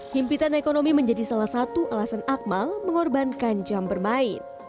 himpitan ekonomi menjadi salah satu alasan akmal mengorbankan jam bermain